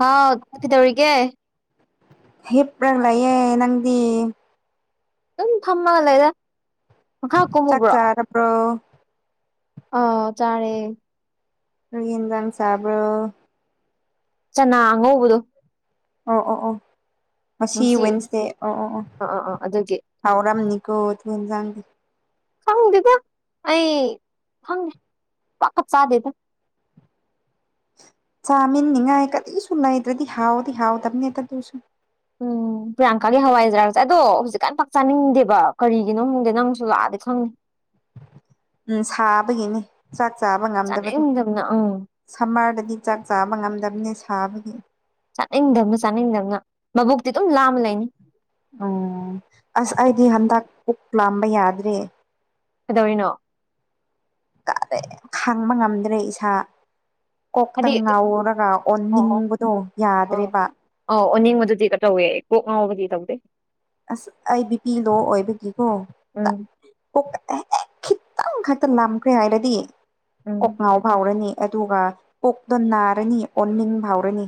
ꯍꯥꯎ ꯊꯤꯗꯧꯔꯤ ꯀꯦ ꯍꯤꯞ꯭ꯔꯒꯂꯌꯦꯦ ꯅꯪꯗꯤ ꯑꯗꯨꯝ ꯊꯝꯃꯒꯜ ꯂꯩꯗ ꯃꯈꯥ ꯆꯥꯛ ꯆꯥꯔ ꯑꯞ꯭ꯔꯣ ꯑ ꯆꯥꯔꯦ ꯀꯔꯤ ꯏꯟꯖꯥꯡ ꯆꯥꯕ꯭ꯔꯣ ꯆꯅꯥ ꯑꯉꯧꯕꯗꯣ ꯑꯣ ꯑꯣ ꯑꯣ ꯉꯁꯤ ꯋꯦꯟꯅꯁꯗꯦ ꯑꯣ ꯑꯣ ꯑꯣ ꯑꯥ ꯑꯥ ꯑꯥ ꯑꯗꯨꯒꯤ ꯍꯥꯎꯔꯝꯅꯤ ꯀꯣ ꯊꯣꯏꯟꯖꯥꯡꯗꯤ ꯈꯪꯗꯦꯗ ꯑꯩ ꯈꯪꯉꯦ ꯄꯥꯛꯀ ꯆꯥꯗꯦꯗ [unintelligible] ꯆꯥꯃꯤꯟꯅꯤꯉꯥꯏ ꯀꯔꯤꯁꯨꯨ ꯂꯩꯇ꯭ꯔꯗꯤ ꯍꯥꯎꯗꯤ ꯍꯥꯎꯗꯝꯅꯤ ꯇꯗꯨꯁꯨ ꯎꯝ ꯄ꯭ꯔꯤꯌꯥꯡꯀꯥꯒꯤ ꯍꯋꯥꯏꯖꯥꯔꯖꯦ ꯑꯗꯣ ꯍꯧꯖꯤꯛꯀꯥꯟ ꯄꯥꯛ ꯆꯥꯅꯤꯡꯗꯦꯕ ꯀꯔꯤꯒꯤꯅꯣ ꯈꯪꯗꯦ ꯅꯪꯖꯨ ꯂꯥꯛꯑꯗꯤ ꯈꯪꯅꯤ [unintelligible] ꯎꯝ ꯁꯥꯕꯒꯤꯅꯤ ꯆꯥꯛ ꯥꯆꯥꯕ ꯉꯝꯗꯕꯅꯤ ꯆꯥꯅꯤꯡꯗꯕꯅ ꯎꯝ ꯁꯝꯃꯔꯗꯗꯤ ꯆꯥꯛ ꯆꯥꯕ ꯉꯝꯗꯝꯅꯦ ꯁꯥꯕꯒꯤ ꯆꯥꯅꯤꯡꯗꯝꯅ ꯆꯥꯅꯤꯡꯗꯝꯅ ꯃꯕꯨꯛꯇꯤ ꯗꯨꯝ ꯂꯥꯝ ꯂꯩꯅꯤ ꯎꯝ ꯑꯁ ꯑꯩꯗꯤ ꯍꯟꯗꯛ ꯄꯨꯛ ꯂꯥꯝꯕ ꯌꯥꯗ꯭ꯔꯦ ꯀꯩꯗꯧꯔꯤꯅꯣ ꯈꯥꯡꯕ ꯉꯝꯗ꯭ꯔꯦ ꯏꯁꯥ ꯍꯥꯏꯗꯤ ꯀꯣꯛꯇꯪ ꯉꯥꯎꯔꯒ ꯑꯣ ꯑꯣ ꯑꯣꯟꯅꯤꯡꯕꯗꯣ ꯑꯣ ꯌꯥꯗ꯭ꯔꯦꯕ ꯑꯧ ꯑꯣꯅꯤꯡꯕꯗꯨꯗꯤ ꯀ ꯇꯧꯋꯦ ꯀꯣꯛ ꯉꯥꯎꯕꯗꯤ ꯇꯧꯗꯦ ꯑꯁ ꯑꯩ ꯕꯤꯄꯤ ꯂꯣ ꯑꯣꯏꯕꯒꯤꯀꯣ ꯎꯝ ꯈꯤꯇꯪ ꯈꯛꯇ ꯂꯥꯈ꯭ꯔꯦ ꯍꯥꯏꯔꯗꯤ ꯎꯝ ꯀꯣꯛꯅꯥꯥꯎ ꯐꯥꯎꯔꯅꯤ ꯑꯗꯨꯒ ꯄꯨꯣꯛꯛꯇꯣ ꯅꯥꯔꯅꯤ ꯑꯣꯟꯅꯤꯡ ꯐꯥꯎꯔꯅꯤ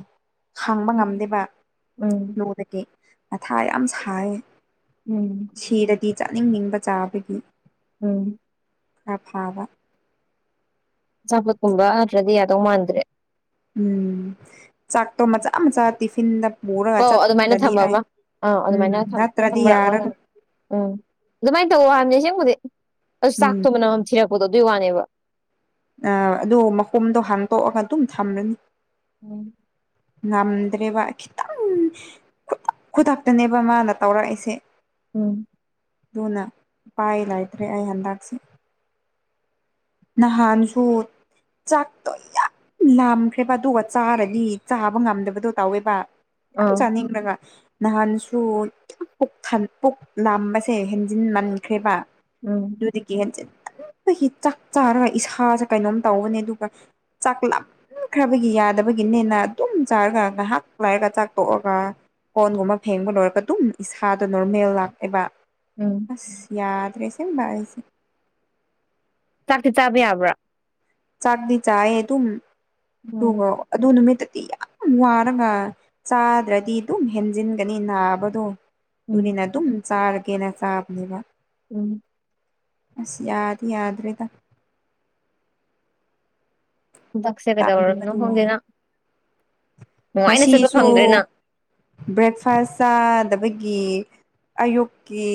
ꯍꯥꯡꯕ ꯎꯝ ꯉꯝꯗꯦꯕ ꯎꯝ ꯅꯣꯡꯗꯤ ꯃꯊꯥ ꯌꯥꯝ ꯁꯥꯏ ꯎꯝ ꯁꯤꯔꯗꯤ ꯆꯥꯅꯤꯡꯅꯤꯡꯕ ꯆꯥꯕꯒꯤ ꯎꯝ ꯑ ꯐꯥꯕ ꯑꯐꯣꯠꯀꯨꯝꯕ ꯅꯠꯇ꯭ꯔꯗꯤ ꯌꯥꯗꯧ ꯃꯥꯟꯗ꯭ꯔꯦ ꯎꯝ ꯆꯥꯛꯇꯣ ꯃꯆꯥ ꯃꯆꯥ ꯇꯤꯐꯤꯟꯗ ꯄꯨꯔꯒ ꯑꯣ ꯑꯗꯨꯃꯥꯏꯅ ꯆꯠꯂꯅꯤ ꯊꯝꯕ ꯑꯩ ꯑꯃ ꯑꯥ ꯎꯝ ꯑꯗꯨꯃꯥꯏꯅ ꯅꯠꯇ꯭ꯔꯗꯤ ꯌꯥꯔꯔꯣꯏ ꯊꯝꯃꯔꯛꯂꯣꯖꯅ ꯎꯝ ꯑꯗꯨꯃꯥꯏꯅ ꯇꯧꯋ ꯍꯥꯏꯅꯦ ꯁꯤ ꯑꯁ ꯎꯝ ꯆꯥꯛꯇ ꯃꯅꯝ ꯊꯤꯔꯛꯄꯗꯣ ꯑꯗꯨꯏ ꯋꯥꯅꯦꯕ ꯑ ꯑꯗꯨ ꯃꯈꯣꯝꯗꯣ ꯍꯥꯡꯇꯣꯛꯑꯒ ꯑꯗꯨꯝ ꯊꯝꯂꯅꯤ ꯎꯝ ꯉꯝꯗ꯭ꯔꯦꯕ ꯈꯤꯇꯪ ꯈꯨꯗꯛ ꯈꯨꯗꯛꯇꯅꯦꯕ ꯃꯥꯅ ꯇꯧꯔꯛꯏꯁꯦ ꯎꯝ ꯑꯗꯨꯅ ꯎꯄꯥꯏ ꯂꯩꯇ꯭ꯔꯦ ꯑꯩ ꯍꯟꯗꯛꯁꯦ ꯅꯍꯥꯟꯁꯨ ꯆꯥꯛꯇꯣ ꯌꯥꯝ ꯂꯥꯝꯈ꯭ꯔꯦꯕ ꯑꯗꯨꯒ ꯆꯥꯔꯗꯤ ꯆꯥꯕ ꯉꯝꯗꯕꯗꯣ ꯇꯧꯋꯦꯕ ꯌꯥꯝ ꯑꯥ ꯆꯥꯅꯤꯡꯗꯒ ꯅꯍꯥꯟꯁꯨ ꯄꯨ ꯄꯨꯛ ꯂꯥꯝꯕꯁꯦ ꯍꯦꯟꯖꯤꯟ ꯃꯟꯈ꯭ꯔꯦꯕ ꯎꯝ ꯌꯗꯤ ꯀꯍꯦ ꯍ ꯆꯥꯔꯒ ꯏꯁꯥꯁꯦ ꯀꯩꯅꯣꯝ ꯇꯧꯧꯕꯅꯦ ꯑꯗꯨꯒ ꯆꯥꯛ ꯂꯈ꯭ꯔꯕꯒꯤ ꯌꯥꯗꯕꯒꯤꯅꯦꯅ ꯑꯗꯨꯝ ꯆꯥꯔꯒ ꯉꯥꯏꯍꯥꯛ ꯂꯥꯏꯔꯒ ꯆꯥꯛꯇꯣꯛꯑꯒ ꯀꯣꯟꯒꯨꯝꯕ ꯐꯦꯡꯕ ꯂꯣꯏꯔꯒ ꯑꯗꯨꯝ ꯏꯁꯥꯗ ꯅꯣꯔꯃꯦꯜ ꯂꯥꯛꯑꯦꯕ ꯎꯝ ꯑꯁ ꯌꯥꯗ꯭ꯔꯦꯁꯦ ꯏꯁꯦ ꯆꯥꯛꯇꯤ ꯆꯥꯕ ꯌꯥꯕ꯭ꯔꯥ ꯆꯥꯛꯗꯤ ꯆꯑ ꯑꯗꯨ ꯎꯝ ꯑꯗꯨ ꯅꯨꯃꯤꯠ ꯤ ꯌꯥꯝ ꯋꯥꯔꯒ ꯆꯥꯗ꯭ꯔꯗꯤ ꯑꯗꯨꯝ ꯍꯦꯟꯖꯤꯟꯒꯅꯤ ꯅꯥꯕꯗꯣ ꯎꯝ ꯑꯗꯨꯅꯤꯅ ꯑꯗꯨꯝ ꯆꯥꯔꯒꯦꯅ ꯆꯥꯕꯅꯦꯕ ꯎꯝ ꯑꯁ ꯌꯥꯗ ꯌꯥꯗꯔꯦꯗ ꯛꯁꯦ ꯀꯗꯧꯔꯅ ꯍꯣꯡꯒꯅ ꯉꯁꯤꯁꯨ ꯅꯪ ꯕ꯭ꯔꯦꯛꯐꯥꯁ ꯆꯥꯗꯕꯒꯤ ꯑꯌꯨꯛꯀꯤ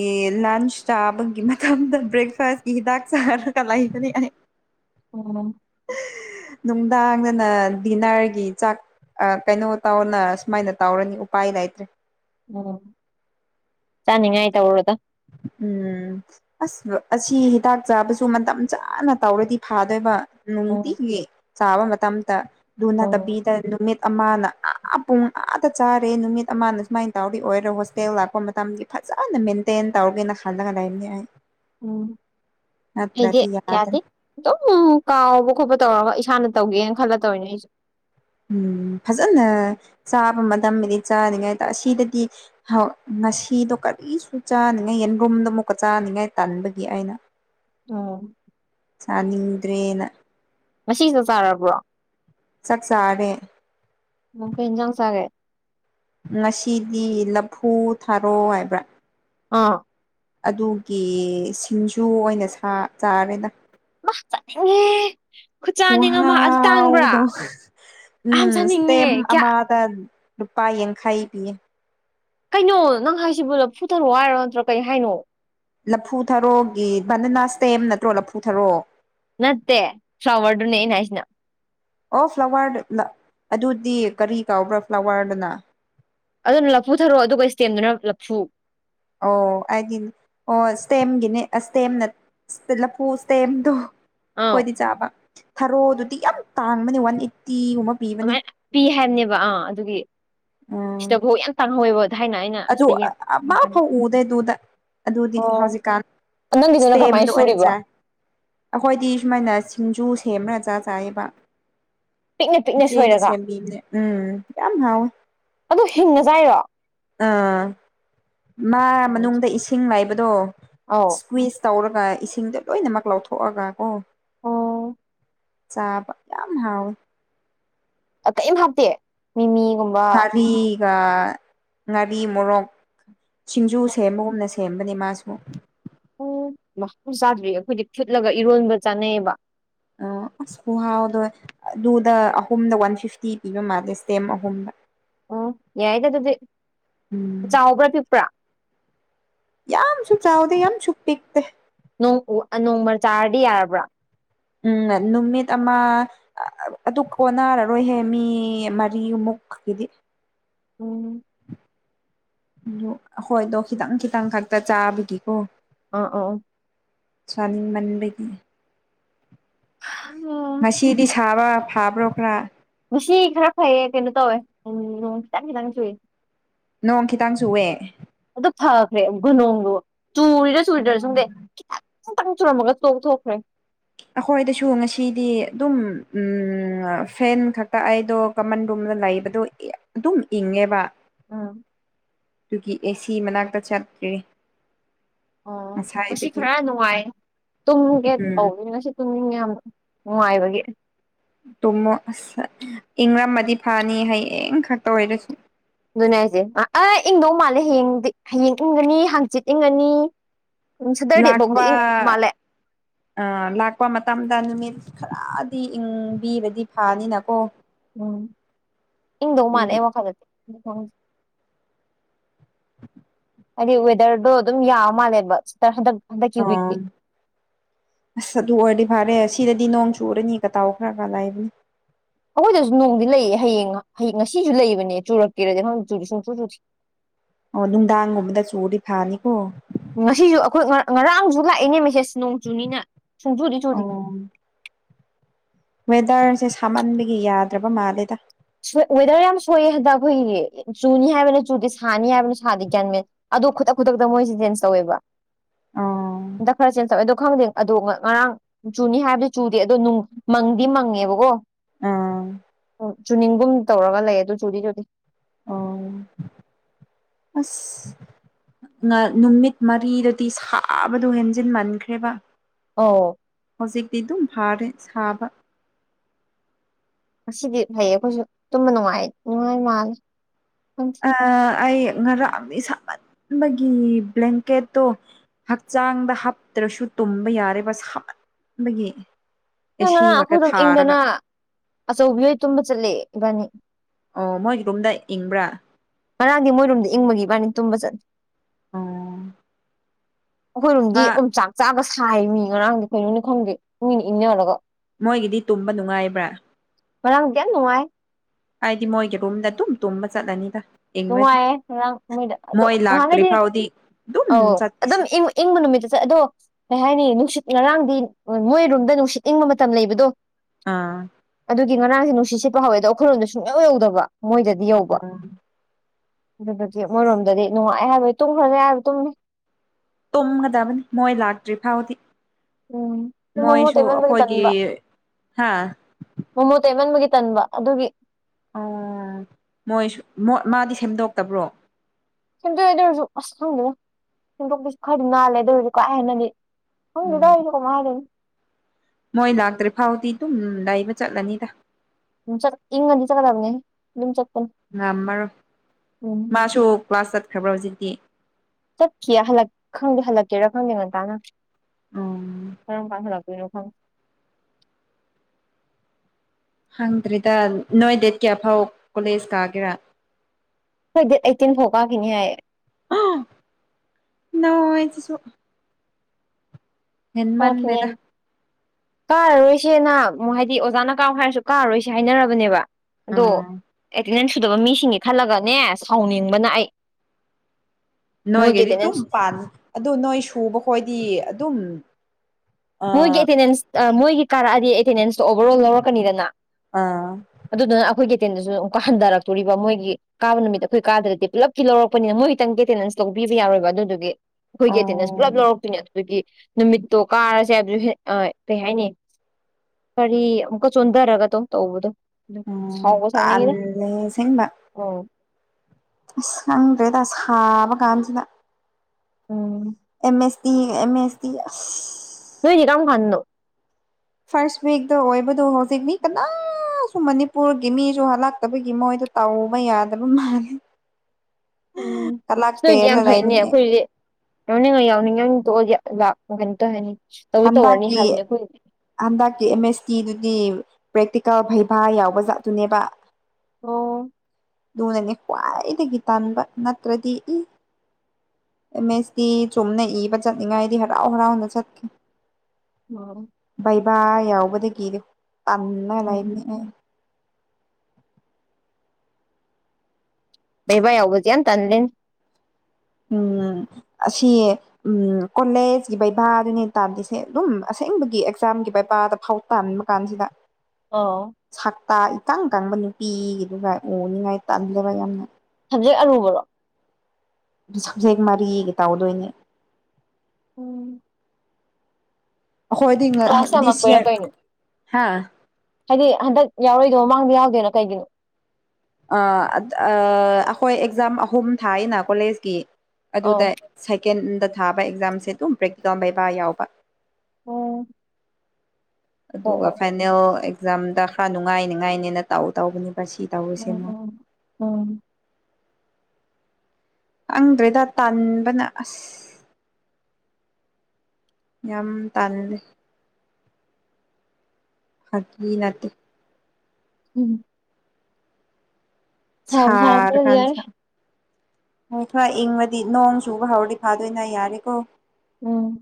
ꯂꯟꯆ ꯇꯥꯕꯒꯤ ꯃꯇꯝꯗ ꯕ꯭ꯔꯦꯛꯐꯥꯁꯀꯤ ꯍꯤꯗꯥꯛ ꯆꯥꯔꯒ ꯂꯩꯕꯅꯤ ꯌꯥ ꯎꯝ ꯅꯨꯡꯗꯥꯡꯗꯅ ꯗꯤꯟꯅꯔꯒꯤ ꯆꯥꯛ ꯀꯩꯅꯣ ꯇꯧꯅ ꯁꯨꯃꯥꯏꯅ ꯇꯧꯔꯅꯤ ꯎꯄꯥꯏ ꯂꯩꯇ꯭ꯔꯦ ꯎꯝ ꯆꯥꯅꯤꯡꯉꯥꯏ ꯇꯧꯔꯗ ꯎꯝ ꯑꯁ ꯑꯁꯤ ꯍꯤꯗꯥꯛ ꯆꯥꯕꯁꯨ ꯃꯇꯝ ꯆꯥꯅ ꯇꯧꯔꯗꯤ ꯐꯥꯗꯣꯏꯕ ꯎꯝ ꯅꯨꯡꯇ ꯆꯕ ꯇꯝꯇ ꯂꯨꯅ ꯎꯝ ꯇꯕꯤꯗ ꯅꯨꯅꯨꯡ ꯑꯃꯅ ꯑꯥ ꯄꯨꯡ ꯑꯥꯗ ꯆꯥꯔꯦ ꯅꯨꯃꯤꯠ ꯑꯃꯅ ꯁꯨꯃꯥꯏꯅ ꯇꯧꯗꯤ ꯑꯣꯏꯔꯣ ꯍꯣꯁꯇꯦꯜ ꯂꯥꯛꯄ ꯃꯇꯝꯗꯤ ꯐꯖꯦ ꯆꯅ ꯃꯦꯟꯇꯦꯟ ꯇꯧꯔꯒꯦꯅ ꯈꯟꯗꯉ ꯂꯩꯅꯤ ꯍꯥꯏ ꯎꯝ ꯑꯩꯗꯤꯦ ꯌꯥꯗ꯭ꯔꯦ ꯀꯗꯤ ꯀꯥꯎꯕ ꯇꯧꯔꯒ ꯏꯁꯥꯅ ꯇꯧꯒꯦꯅ ꯈꯜꯂ ꯇꯧꯔꯤꯅꯦ ꯑꯩꯁꯨ ꯎꯝ ꯐꯖꯅ ꯆꯥꯕ ꯃꯇꯝꯗꯤ ꯆꯥꯅꯤꯡꯉꯥꯏꯗ ꯑꯁꯤꯗꯗꯤ ꯉꯁꯤꯗꯣ ꯀꯔꯤꯁꯨ ꯆꯥꯅꯤꯉꯥꯏ ꯌꯦꯟꯔꯨꯝꯗꯣ ꯑꯃꯨꯛꯀ ꯆꯥꯅꯤꯡꯉꯥꯏ ꯇꯟꯥꯟꯕꯒꯤ ꯑꯩꯅ ꯑꯣ ꯆꯥꯅꯤꯡꯗ꯭ꯔꯦꯅ ꯉꯁꯨ ꯆꯥꯔꯕ꯭ꯔꯣ ꯆꯥꯛ ꯆꯥꯔꯦ ꯃꯈꯨꯈ ꯍꯟꯖꯥꯡ ꯆꯒꯦ ꯉꯁꯤꯗꯤ ꯂꯐꯨ ꯊꯥꯔꯣ ꯍꯥꯏꯕ꯭ꯔꯥ ꯑꯥ ꯑꯗꯨꯒꯤ ꯁꯤꯡꯖꯨ ꯑꯣꯏꯅ ꯆꯥꯔꯦꯅ [inaudible] ꯑꯃ ꯑꯗꯨ ꯍꯨꯍꯥꯎꯗꯣ ꯇꯥꯡꯕ꯭ꯔꯥ ꯌꯥꯝ ꯆꯥꯅꯤꯡꯉꯦ ꯀꯌꯥ ꯎꯝꯇ ꯑꯗ ꯂꯨꯄꯥ ꯌꯥꯡꯈꯩ ꯄꯤ ꯀꯩꯅꯣ ꯅꯪ ꯍꯥꯏꯁꯤꯕꯨꯂ ꯐꯨꯊꯔꯣ ꯍꯥꯏꯔꯣ ꯅꯠꯇ꯭ꯔꯣ ꯀꯔꯤ ꯍꯥꯏꯅꯣ ꯂꯐꯨꯊꯔꯣꯒꯤ ꯕꯅꯅꯥ ꯏꯁꯇꯦꯝ ꯅꯠꯇ꯭ꯔꯣ ꯂꯐꯨꯊꯔꯣ ꯅꯠꯇꯦ ꯁꯋꯥꯔ ꯅ ꯅꯅꯥꯁꯤꯅ ꯑꯣ ꯐ꯭ꯂꯥꯋꯥꯔꯗ ꯑꯗꯨꯗꯤ ꯀꯔꯤ ꯀꯧꯕꯥꯎꯕ꯭ꯔꯥ ꯐ꯭ꯂꯥꯋꯔꯗꯅ ꯑꯗꯨꯅ ꯂꯐꯨ ꯊꯔꯛꯑꯣ ꯑꯗꯨꯒ ꯏꯁꯇꯦꯝꯗꯨꯅ ꯂꯐꯨ ꯑꯣ ꯍꯥꯏꯗꯤ ꯑꯣ ꯏꯁꯇꯦꯝꯒꯤꯅꯦ ꯏꯁꯇꯦꯝꯅ ꯂꯐꯨ ꯏꯁꯇꯦꯝꯗꯣ ꯑꯥꯎ ꯍꯣꯏꯗꯤ ꯆꯥꯕ ꯊꯔꯣꯗꯨꯗꯤ ꯌꯥꯝ ꯇꯥꯡꯕꯅꯦ ꯋꯥꯟ ꯑꯦꯠꯇꯤꯒꯨꯝꯕ ꯄꯤꯕꯅꯦ ꯑꯗꯨꯃꯥꯏꯅ ꯄꯤ ꯍꯥꯏꯕꯅꯦꯕ ꯑꯥ ꯑꯗꯨꯒꯤ ꯎꯝ ꯁꯤꯗꯈ ꯌꯥꯝ ꯇꯥꯡꯍꯧꯋꯦꯕ ꯊꯥꯏꯅ ꯑꯩꯅ ꯑꯗꯨ ꯑꯁꯤꯗ ꯌꯦꯡ ꯀꯥꯟꯗ ꯑꯃꯐꯥꯎ ꯎꯗꯦ ꯑꯗꯨꯗ ꯑꯗꯨꯗꯤ ꯑꯣ ꯍꯧꯖꯤꯛꯀꯥꯟ ꯅꯪꯒꯤꯗꯨꯅ ꯀꯃꯥꯏꯅ ꯏꯁꯇꯦꯝꯗ ꯑꯣꯏꯅ ꯁꯨꯔꯤꯕ ꯆꯥꯏ ꯑꯩꯈꯣꯏꯗꯤ ꯁꯨꯃꯥꯏꯅ ꯁꯤꯡꯖꯨ ꯊꯦ꯭ꯔꯆꯥꯥꯖꯥꯏꯕ ꯄꯤꯛꯅ ꯄꯤꯛꯅ ꯆꯅ ꯁꯣꯏꯔꯒ ꯁꯦꯝꯕꯤ ꯎꯝ ꯀꯝ ꯍꯥꯏ ꯑꯗꯨ ꯍꯤꯡꯅ ꯆꯥꯏꯔꯣ ꯑꯥ ꯃꯥ ꯃꯅꯨꯡꯗ ꯏꯁꯤꯡ ꯉꯥꯏꯕꯗꯣ ꯑꯧ ꯁꯀ꯭ꯋꯤꯁ ꯇꯧꯔꯒ ꯏꯁꯤꯡꯗꯣ ꯂꯣꯏꯅꯃꯛ ꯂꯧꯊꯣꯛꯑꯒ ꯀꯣ ꯑꯣ ꯆꯥꯕ ꯌꯥꯝ ꯍꯥꯎ ꯑ ꯀꯩꯝ ꯍꯥꯞꯇꯦ ꯃꯤꯃꯤ ꯉꯥꯔꯤꯒ ꯉꯥꯔꯤ ꯃꯣꯔꯣꯛ ꯁꯤꯡꯖꯨ ꯁꯦꯝꯕꯒꯨꯝꯅꯁꯦ ꯁꯦꯝꯕꯅꯦ ꯃꯥꯁꯤꯃꯨ ꯎ ꯃꯍꯥꯎ ꯆꯥꯗ꯭ꯔꯤ ꯑꯩꯈꯣꯏꯗꯤ ꯐꯨꯠꯂꯒ ꯏꯔꯣꯟꯕ ꯆꯥꯅꯩꯑꯕ ꯑꯣ ꯑꯁ ꯈꯨꯍꯥꯎꯗꯣ ꯑꯗꯨꯗ ꯑꯍꯨꯝꯗ ꯋꯥꯟ ꯐꯤꯐꯇꯤ ꯄꯤꯕ ꯃꯥꯜꯂꯦ ꯏꯁꯇꯦꯝ ꯑꯍꯨꯝꯗ ꯑꯣ ꯌꯥꯏꯗ ꯑꯗꯨꯗꯤ ꯎꯝ ꯆꯥꯎꯕ꯭ꯔꯥ ꯄꯤꯛꯄ꯭ꯔꯥ ꯌꯥꯝꯁꯨ ꯆꯥꯎꯗꯦ ꯌꯥꯝꯁꯨ ꯄꯤꯛꯇꯦ ꯅꯣꯡꯎ ꯅꯣꯡꯃ ꯆꯥꯔꯗꯤ ꯌꯥꯔꯕ꯭ꯔꯥ ꯎꯝ ꯅꯨꯃꯤꯠ ꯑꯃ ꯑꯗꯨ ꯑꯣꯅꯔꯔꯣꯏꯍꯦ ꯃꯤ ꯃꯔꯤꯃꯨꯛ ꯀꯗꯤ ꯎꯝ ꯍꯣꯏꯗꯣ ꯈꯤꯇꯪ ꯈꯤꯇꯪ ꯈꯛꯇ ꯆꯥꯕꯒꯤꯀꯣ ꯑꯥ ꯑꯥ ꯁꯅꯤ ꯃꯟꯕꯒꯤ ꯑꯣ ꯃꯁꯤꯗꯤ ꯐꯕ ꯐꯕ꯭ꯔꯣ ꯈ꯭ꯔꯥ ꯉꯁꯤ ꯈꯔ ꯐꯩꯌꯦ ꯀꯩꯅꯣ ꯇꯧꯋꯦ ꯎ ꯈꯤꯇꯪ ꯈꯤꯇꯪ ꯆꯨꯏ ꯅꯣꯡ ꯈꯤꯇꯪ ꯆꯨꯑꯦ ꯑꯗꯨ ꯐꯈ꯭ꯔꯦ ꯒꯨꯅꯣꯡꯗꯨꯣ ꯆꯨꯔꯤꯔꯥ ꯆꯨꯔꯤꯗ꯭ꯔꯥ ꯁꯨꯡꯗꯦ ꯈꯤꯇꯪ ꯇꯪ ꯆꯨꯔꯝꯃꯒ ꯇꯣꯛꯊꯈ꯭ꯔꯦ ꯑꯩꯈꯣꯏꯗꯁꯨ ꯉꯁꯤꯗꯤ ꯑꯗꯨꯝ ꯐꯦꯟ ꯈꯛꯇ ꯑꯩꯗꯣ ꯀꯃꯟ ꯔꯨꯝ ꯂꯩꯕꯗ ꯑꯗꯨꯝ ꯏꯪꯉꯦꯕ ꯑꯝ ꯑꯗꯨꯒꯤ ꯑꯦꯁꯤ ꯃꯅꯥꯛꯇ ꯆꯠꯇ꯭ꯔꯦ ꯑꯣ ꯉꯁꯤ ꯈꯔ ꯅꯨꯡꯉꯥꯏ ꯇꯨꯡꯒꯦ ꯎꯝ ꯀꯧꯏ ꯉꯁꯤ ꯇꯨꯡꯅꯤꯡ ꯌꯥꯝ ꯅꯨꯡꯉꯥꯏꯕꯒꯤ ꯇꯨꯝꯃꯣ ꯑꯁ ꯏꯪꯉꯝꯃꯗꯤ ꯐꯅꯤ ꯍꯌꯦꯡ ꯈꯛꯇ ꯑꯣꯏꯔꯁꯨ ꯑꯗꯨꯅꯦ ꯍꯥꯏꯁꯦ ꯑ ꯏꯪꯗꯧ ꯃꯥꯜꯂꯦ ꯍꯌꯦꯡꯗꯤ ꯍꯌꯦꯡ ꯏꯪꯒꯅꯤ ꯍꯥꯡꯆꯤꯠ ꯏꯪꯉꯅꯤ ꯂꯥꯛꯄ ꯑ ꯂꯥꯛꯄ ꯃꯇꯝꯗ ꯅꯨꯃꯤꯠ ꯈꯔꯗꯤ ꯏꯪꯕꯤꯕꯗꯤ ꯐꯥꯅꯤꯅꯀꯣ ꯎꯝ ꯏꯪꯗꯧ ꯑꯗꯨꯒꯤ ꯃꯥꯟꯅꯩ ꯋꯥꯜꯗꯗꯤ ꯍꯥꯏꯗꯤ ꯋꯦꯗꯔꯗꯣ ꯑꯗꯨꯝ ꯌꯥ ꯃꯥꯜꯂꯦꯕ ꯁꯤꯇ ꯍꯟꯗꯛ ꯍꯟꯗꯛꯀꯤ ꯋꯤꯛꯇꯤ ꯑꯁ ꯑꯗꯨ ꯑꯣꯏꯗꯤ ꯐꯔꯦꯁꯤ ꯁꯤꯗꯗꯤ ꯅꯣꯡ ꯆꯨꯔꯅꯤ ꯀꯇꯥꯎ ꯈꯔ ꯈꯔ ꯂꯥꯏꯕꯅꯤ ꯑꯩꯈꯣꯏꯗꯁꯨ ꯅꯣꯡꯗꯤ ꯂꯩꯑꯦ ꯍꯌꯦꯡ ꯍꯌꯦꯡ ꯉꯁꯤꯁꯨ ꯂꯩꯕꯅꯦ ꯆꯨꯔꯛꯇꯦꯔꯗꯤ ꯍꯪ ꯆꯨꯁꯤ ꯁꯨꯡꯆꯨ ꯆꯨꯁꯤ [unintelligible] ꯑꯣ ꯅꯨꯡꯝꯗꯥꯥꯡꯒꯨꯝꯕꯗ ꯆꯣꯔꯤ ꯐꯥꯅꯤꯀꯣ ꯉꯁꯤꯁꯨ ꯑꯩꯈꯣꯏ ꯉꯔꯥꯡꯁꯨ ꯂꯥꯛꯏꯅꯦ ꯃꯦꯁꯦꯁ ꯅꯣꯡ ꯆꯨꯅꯤꯅ ꯁꯨꯡꯖꯨꯔꯤꯨꯔꯤ ꯑꯣ ꯋꯦꯗꯔꯁꯦ ꯁꯥꯃꯟꯕꯒꯤ ꯌꯥꯗ꯭ꯔꯕ ꯃꯥꯜꯂꯦꯗ ꯋꯦꯗꯔ ꯌꯥꯝ ꯁꯣꯛꯑꯦ ꯍꯟꯗꯛ ꯑꯩꯈꯣꯏꯒꯤ ꯆꯨꯅꯤ ꯍꯥꯏꯕꯅ ꯆꯨꯗꯤ ꯁꯥꯅꯤ ꯍꯥꯏꯕꯅ ꯁꯥꯗꯤ ꯒ꯭ꯌꯥꯟꯃꯦꯟ ꯑꯗꯨꯗ ꯈꯨꯗꯛ ꯈꯨꯗꯛꯇ ꯃꯣꯏꯁꯦ ꯆꯦꯟꯖ ꯇꯧꯋꯦꯕ ꯑꯣ ꯍꯟꯗꯛ ꯈꯔ ꯆꯦꯟꯖ ꯇꯧꯋꯦ ꯑꯗꯣ ꯈꯪꯗꯦ ꯑꯗꯣ ꯉꯔꯥꯡ ꯆꯨꯅꯤ ꯍꯥꯏꯕꯗꯤ ꯆꯨꯗꯦ ꯑꯗꯣ ꯃꯪꯗꯤ ꯃꯪꯉꯦꯕꯀꯣ ꯑꯥ ꯆꯨꯅꯤꯡꯕꯨꯝ ꯇꯧꯔꯒ ꯂꯩ ꯑꯗꯨ ꯆꯨꯗꯤ ꯆꯨꯗꯤ ꯑꯣ ꯑꯁ ꯅꯨꯃꯤꯠ ꯃꯔꯤꯗꯗꯤ ꯁꯥꯕꯗꯣ ꯍꯦꯟꯖꯤꯟꯃꯟꯈ꯭ꯔꯦꯕ ꯑꯧ ꯍꯧꯖꯤꯛꯇꯤ ꯑꯗꯨꯝ ꯐꯥꯔꯦ ꯁꯥꯕ ꯉꯁꯤꯗꯤ ꯐꯩꯌꯦ ꯑꯩꯈꯣꯏꯁꯨ ꯇꯨꯝꯕ ꯅꯨꯡꯉꯥꯏ ꯅꯨꯡꯉꯥꯏ ꯃꯥꯜꯂꯦ ꯈꯪꯗꯦ ꯑ ꯑꯩ ꯉꯔꯥꯡꯅꯤ ꯁꯥꯃꯟ ꯒꯤ ꯕ꯭ꯂꯦꯡꯀꯦꯠꯇꯣ ꯍꯛꯆꯥꯡꯗ ꯍꯥꯞꯇ꯭ꯔꯁꯨ ꯇꯨꯝꯕ ꯌꯥꯔꯦ ꯕꯁ ꯒꯤ ꯅ ꯉꯔꯥꯡ ꯑꯩꯈꯣꯏ ꯑꯗꯨꯝ ꯏꯪꯗꯅ ꯑꯆꯧꯕꯤꯏ ꯇꯨꯝꯕ ꯆꯠꯂꯦ ꯏꯕꯥꯅꯤ ꯑꯣ ꯃꯣꯏꯒꯤ ꯔꯣꯝꯗ ꯏꯪꯕ꯭ꯔꯥ ꯉꯔꯥꯡꯗꯤ ꯃꯣꯏꯔꯣꯝꯗ ꯏꯪꯕꯒꯤ ꯏꯕꯥꯅꯤ ꯇꯨꯝꯕ ꯆꯠꯂꯤ ꯑꯥ ꯑꯩꯈꯣꯏꯔꯣꯝꯗꯤ ꯑꯗꯨ ꯆꯥꯛ ꯆꯥꯒ ꯁꯥꯏ ꯃꯤ ꯉꯔꯥꯡꯗꯤ ꯑꯩꯈꯣꯏꯩꯅꯣꯅꯤ ꯈꯪꯗꯦ ꯇ ꯏꯟꯅ ꯏꯟꯅꯔꯒ ꯃꯣꯏꯒꯤꯗꯤ ꯇꯨꯝꯕ ꯅꯨꯡꯉꯥꯏꯕ꯭ꯔꯥ ꯃꯔꯥꯡꯗ ꯅꯨꯡꯉꯥꯏ ꯍꯥꯏꯗꯤ ꯃꯣꯏꯒꯤ ꯔꯨꯝꯗ ꯇꯨꯝ ꯇꯨꯝꯕ ꯆꯠꯂꯅꯤꯗ ꯇꯨꯡ ꯏꯪꯔꯗꯤ ꯍꯥꯏ ꯍ ꯃꯣꯏ ꯂꯥꯛꯇ꯭ꯔꯤ ꯀꯗꯤ ꯐꯥꯎꯗꯤ ꯑꯗꯨꯝ ꯑ ꯑꯗꯨꯝ ꯆꯠꯈ꯭ꯔꯁꯤ ꯏ ꯏꯪꯕ ꯅꯨꯃꯤꯠꯇꯁꯦ ꯑꯗꯣ ꯍꯥꯏꯅꯤ ꯅꯨꯡꯁꯤꯠ ꯉꯔꯥꯡꯗꯤ ꯃꯣꯏꯔꯨꯝꯝꯗ ꯅꯨꯡꯁꯤꯠ ꯅꯤꯡꯕ ꯃꯇꯝ ꯂꯩꯕꯗꯣ ꯑꯥ ꯑꯗꯨꯒꯤ ꯉꯔꯥꯡꯁꯦ ꯅꯨꯡꯁꯤꯠ ꯁꯤꯠꯄ ꯍꯧꯋꯦ ꯑꯗꯣ ꯑꯩꯈꯜꯂꯣꯟꯣꯝꯣ ꯁꯨꯡꯌꯥꯧ ꯌꯧꯗꯕ ꯃꯣꯏꯗꯗꯤ ꯌꯧꯕ ꯑꯣ ꯑꯗꯨꯗꯨꯒꯤ ꯃꯣꯏꯔꯣꯝꯗꯗꯤ ꯅꯨꯡꯉꯥꯏ ꯍꯥꯏꯕ ꯇꯨꯝꯈ꯭ꯔꯒꯦ ꯍꯥꯏꯕ ꯇꯨꯝꯃꯦ ꯇꯨꯝꯒꯗꯕꯅꯤ ꯃꯣꯏ ꯂꯥꯛꯇ꯭ꯔꯤ ꯐꯥꯎꯗꯤ ꯎꯝ ꯃꯣꯃꯣ ꯃꯣꯏꯁꯨ ꯇꯩꯃꯟꯕꯒꯤ ꯑꯩꯈꯣꯏꯒꯤ ꯇꯟꯕ ꯍꯥ ꯃꯣꯃꯣ ꯇꯩꯃꯟꯕꯒꯤ ꯇꯟꯕ ꯑꯗꯨꯒꯤ ꯑ ꯃꯣꯏꯁꯨ ꯃꯥꯗꯤ ꯁꯦꯝꯗꯣꯛꯇꯕ꯭ꯔꯣ ꯁꯦꯝꯗꯣꯛꯑꯦ ꯗꯨ ꯑꯣꯏꯔꯁꯨ ꯑꯁ ꯈꯪꯗꯦꯗ ꯁꯦꯝꯗꯣꯛꯄꯁꯤ ꯈꯔꯗꯤ ꯅꯥꯜꯂꯦ ꯑꯗꯨ ꯑꯣꯏꯔꯁꯨ ꯀꯥ ꯍꯦꯟꯅꯗꯤ ꯈꯪꯗꯦꯗꯥ ꯎꯝ ꯑꯩꯁꯨ ꯀꯃꯥꯏ ꯍꯥꯏꯗꯣꯏꯅꯣ ꯃꯣꯏ ꯂꯥꯛꯇ꯭ꯔꯤ ꯐꯥꯎꯗꯤ ꯇꯨꯝ ꯂꯩꯕ ꯆꯠꯂꯅꯤꯗ ꯎꯝꯆꯠ ꯏꯪ ꯉꯗꯤ ꯆꯀꯗꯕꯅꯦ ꯗꯨꯝꯆꯠ ꯉꯥꯝꯃꯔꯣꯏ ꯃꯥꯁꯨ ꯀ꯭ꯂꯥꯁ ꯆꯠꯈ꯭ꯔꯕ꯭ꯔꯥ ꯍꯧꯖꯤꯛꯇꯤ ꯆꯠꯈꯤ ꯍꯜꯂꯛ ꯈꯪꯗꯦ ꯍꯜꯂꯛꯀꯦꯔꯥ ꯈꯪꯗꯦ ꯉꯟꯇꯥꯅ ꯎꯝ ꯀꯔꯝ ꯀꯥꯟ ꯍꯜꯂꯛ ꯇꯣꯏꯅꯣ ꯈꯪꯗꯦ ꯍꯪꯗ꯭ꯔꯤꯗ ꯅꯣꯏ ꯗꯦꯠ ꯀꯌꯥꯐꯥꯎ ꯀꯣꯂꯦꯖ ꯀꯥꯒꯦꯔꯥ ꯍꯣꯏ ꯗꯦꯠ ꯑꯥꯏꯇꯤꯟ ꯐꯥꯎ ꯀꯥꯈꯤꯅꯤ ꯍꯥꯏꯌꯦ ꯑ ꯅꯥꯎꯏ ꯆꯁꯨ ꯍꯦꯟꯃꯟ ꯀꯥꯈꯤꯅꯤ ꯍꯥꯏ ꯃꯦꯗ ꯀꯥꯔꯔꯣꯏꯁꯦꯅ ꯃꯨꯛ ꯍꯥꯏꯗꯤ ꯑꯣꯖꯥꯅ ꯀꯥꯎ ꯍꯥꯏꯔꯁꯨ ꯀꯥꯔꯔꯣꯏꯁꯦ ꯍꯥꯏꯅꯔꯕꯅꯦꯕ ꯑꯗꯣ ꯎꯝ ꯑꯦꯇꯦꯟꯅꯦꯟꯁ ꯁꯨꯗꯕ ꯃꯤꯁꯤꯡꯒꯤ ꯈꯜꯂꯒ ꯁꯥꯎꯅꯤꯡꯕꯅ ꯑꯩ ꯃꯣꯏꯒꯤ ꯅꯣꯏꯒꯗꯤ ꯗꯨꯝ ꯑꯦꯇꯦꯟꯗꯦꯟꯁ ꯄꯥꯟ ꯑꯗꯨ ꯅꯣꯏ ꯁꯨꯕ ꯈꯣꯏꯗꯤ ꯑꯗꯨꯝ ꯃꯣꯏꯒꯤ ꯑꯥ ꯑꯦꯇꯦꯟꯗꯦꯟꯁ ꯃꯣꯏꯒꯤ ꯀꯥꯔꯛꯑꯗꯤ ꯑꯦꯇꯦꯟꯗꯦꯟꯁꯇꯣ ꯑꯣꯚꯔ ꯑꯣꯜ ꯂꯧꯔꯛꯀꯅꯤꯗꯅ ꯑ [unintelligible] ꯗꯁꯨꯨ ꯃꯨꯛꯀ ꯍꯟꯗꯔꯛꯇꯣꯔꯤꯕ ꯃꯣꯏꯒꯤ ꯀꯥꯕ ꯅꯨꯃꯤꯠ ꯑꯩꯈꯣꯏ ꯀꯥꯗ꯭ꯔꯗꯤ ꯄꯨꯂꯞꯀꯤ ꯂꯧꯔꯛꯄꯅꯤꯅ ꯃꯣꯏꯒꯤꯗꯪꯗ ꯑꯦꯇꯦꯟꯗꯦꯟꯁ ꯂꯧꯕꯤ ꯄꯤꯕ ꯌꯥꯔꯣꯏꯕ ꯑꯗꯨꯗꯨꯒꯤ ꯑꯣ ꯑꯇꯦꯟꯗꯦꯟꯁ ꯄꯨꯂꯞ ꯂꯧꯔꯛꯇꯣꯏꯅꯦ ꯑꯗꯨꯒꯤ ꯅꯨꯃꯤꯠꯇꯣ ꯀꯥꯔꯁ [unintelligible] ꯍꯦꯗ ꯀꯩ ꯍꯥꯏꯅꯤ ꯀꯔꯤ ꯑꯃꯨꯛꯀ ꯆꯣꯟꯗꯔꯒ ꯗꯨꯝ ꯇꯧꯕꯗꯣ ꯎꯝ ꯁꯥꯎꯕꯨ ꯁꯥꯎꯅꯤꯡꯉꯤꯗ ꯇꯜꯂꯦ ꯑꯁꯦꯡꯕ ꯑ ꯑꯁ ꯈꯪꯗ꯭ꯔꯦꯗ ꯁꯥꯕ ꯀꯥꯟꯁꯤꯗ ꯎꯝ M S T M S T ꯅꯣꯏꯗꯤ ꯀꯔꯝ ꯀꯥꯟꯗꯅꯣ ꯐꯥꯔꯁ ꯋꯤꯛꯇ ꯑꯣꯏꯕꯗꯣ ꯍꯧꯖꯤꯛ ꯃꯤ ꯀꯅꯥ ꯅꯥꯁꯨ ꯃꯅꯤꯄꯨꯔꯒꯤ ꯃꯤꯁꯨ ꯍꯜꯂꯇꯕꯒꯤ ꯃꯣꯏꯗꯣ ꯇꯧꯕ ꯌꯥꯗꯕ ꯃꯥꯜꯂꯦ ꯎꯝ ꯀꯂꯥꯛ ꯅꯣꯏꯗꯤ ꯄꯦꯜꯂ ꯌꯥꯝ ꯐꯩꯅꯦ ꯂꯩꯕꯅꯦ ꯑꯩꯈꯣꯏꯗꯤ ꯌꯥꯎꯅꯤꯡꯉ ꯌꯥꯎꯅꯤꯡꯉ ꯗꯨꯝ ꯇꯣꯛꯑꯗꯤ ꯂꯥꯛ ꯀꯩꯅꯣꯝꯇ ꯍꯥꯏꯅꯤꯡꯉꯤ ꯍꯥꯟꯗꯛꯀꯤ ꯍꯥꯟꯗꯛꯀꯤ ꯑꯦꯝ ꯑꯦꯁ ꯇꯤ ꯗꯨꯗꯤ ꯄ꯭ꯔꯦꯛꯇꯤꯀꯦꯜ ꯚꯩꯚꯥ ꯌꯥꯎꯕ ꯖꯥꯠꯇꯨꯅꯦꯕ ꯑꯣ ꯗꯨꯉꯅꯦ ꯈ꯭ꯋꯥꯏꯗꯒꯤ ꯇꯟꯕ ꯅꯠꯇ꯭ꯔꯗꯤ ꯏ ꯑꯦꯝ ꯑꯦꯁ ꯇꯤ ꯆꯨꯝꯅ ꯏꯕ ꯆꯠꯅꯤꯡꯉꯥꯏꯗꯤ ꯍꯔꯥꯎ ꯍꯔꯥꯎꯅ ꯆꯠꯈꯤ [unintelligible] ꯚꯩꯚꯥ ꯌꯥꯎꯕꯗꯒꯤ [unintelligible] ꯇꯟꯂꯒ ꯑꯣ ꯂꯩꯕꯅꯦ ꯚꯩꯚꯥ ꯌꯥꯎꯕꯖꯦ ꯌꯥꯝ ꯇꯟꯂꯦꯟ ꯎꯝ ꯑꯁꯤ ꯎꯝ ꯀꯣꯃꯦꯖꯀꯤ ꯚ ꯩꯕꯥꯗꯨꯅꯦ ꯇꯥꯗꯤꯁꯦ ꯑꯗꯨꯝ ꯑꯁꯦꯡꯕꯒꯤ ꯑꯦꯛꯖꯥꯝꯒꯤ ꯚꯩꯚꯣꯗ ꯐꯥꯎ ꯇꯟꯕ ꯀꯥꯟꯁꯤꯗ ꯑꯥꯎ ꯇꯥ ꯏꯀꯪ ꯀꯪꯕ ꯅꯨꯄꯤꯒꯤꯗꯨꯒ ꯎꯅꯤꯡꯉꯥꯏ ꯇꯜꯗꯕ ꯌꯥꯝꯅ ꯍꯦꯛ ꯑꯔꯨꯕꯔꯣ ꯗꯨ ꯁꯕꯖꯦꯛ ꯃꯔꯤꯒ ꯇꯧꯗꯣꯏꯅꯦ ꯎꯝ ꯑꯈꯣꯏꯗꯤ ꯀ꯭ꯂꯥꯁ ꯉꯍꯥꯟꯗꯤ ꯁꯤ ꯌꯥꯝꯃꯛꯄꯩꯔꯥ ꯍꯦꯞ ꯀꯩꯅꯣ ꯍꯥ ꯍꯥꯏꯗꯤ ꯍꯟꯗꯛ ꯌꯥꯎꯔꯣꯏꯗꯣ ꯃꯃꯥꯡꯗ ꯌꯥꯎꯗꯣꯏꯅꯣ ꯀꯩꯒꯤꯅꯣ ꯑ ꯑꯩꯈꯣꯏ ꯑꯦꯛꯖꯥꯝ ꯑꯍꯨꯝ ꯊꯥꯏꯅ ꯀꯣꯂꯦꯖꯀꯤ ꯑꯧ ꯑꯗꯨꯗ ꯁꯥꯏꯀꯦꯟꯗ ꯊꯥꯕ ꯑꯦꯛꯖꯥꯝꯁꯦ ꯑꯗꯨꯝ ꯄ꯭ꯔꯦꯛꯇꯤꯀꯜ ꯃꯩꯕꯥ ꯌꯥꯎꯕ ꯑꯣ ꯑꯣ ꯑꯗꯨꯒ ꯑꯣ ꯐꯥꯏꯅꯦꯜ ꯑꯦꯛꯖꯥꯝꯗ ꯈꯔ ꯅꯨꯡꯉꯥꯏꯅꯤꯉꯥꯏꯅꯦꯅ ꯇꯥꯎꯎ ꯇꯧꯕꯕꯅꯦꯅꯤ ꯀꯁꯤ ꯎꯝ ꯇꯥꯧꯕꯁꯦꯃ ꯎꯝ ꯎꯝ ꯈꯪꯗ꯭ꯔꯦꯗ ꯇꯥꯟꯕꯅ ꯑꯁ ꯌꯥꯝ ꯇꯥꯜꯂꯦ ꯍꯀꯤ ꯅꯠꯇ ꯎꯝ ꯁꯥꯕꯨ ꯁꯔ ꯁꯥꯔꯛꯇ꯭ꯔꯗꯤ ꯌꯥꯔꯦ ꯈꯟꯁꯤꯗ ꯍꯣꯏ ꯈꯔ ꯏꯪꯉꯗꯤ ꯅꯣꯡ ꯆꯨꯕ ꯍꯧꯔꯗꯤ ꯐꯥꯗꯣꯏꯅ ꯌꯥꯔꯦꯀꯣ ꯎꯝ